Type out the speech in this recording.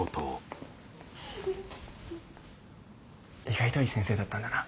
意外といい先生だったんだな。